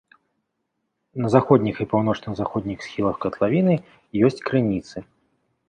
На заходніх і паўночна-заходніх схілах катлавіны ёсць крыніцы.